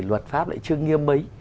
luật pháp lại chưa nghiêm mấy